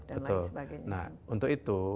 dan lain sebagainya nah untuk itu